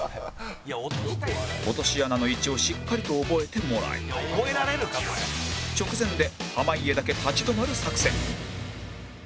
落とし穴の位置をしっかりと覚えてもらい直前で濱家だけ立ち止まる作戦